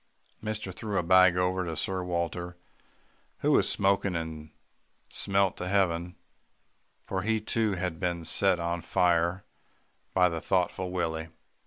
"Mister threw a bag over Sir Walter, who was smoking and smelt to heaven, for he too had been set on fire by the thoughtful Willie.